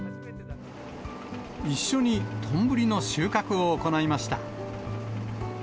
一緒にとんぶりの収穫を行いました。